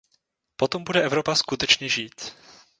Potom bude Evropa skutečně žít.